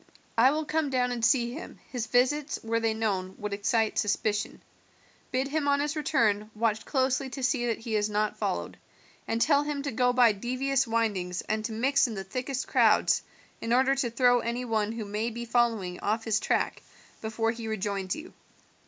I will come down and see him; his visits, were they known, would excite suspicion. Bid him on his return watch closely to see that he is not followed, and tell him to go by devious windings and to mix in the thickest crowds in order to throw any one who may be following off his track before he rejoins you.